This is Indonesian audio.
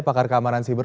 pakar keamanan siber